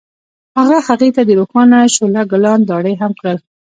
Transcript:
هغه هغې ته د روښانه شعله ګلان ډالۍ هم کړل.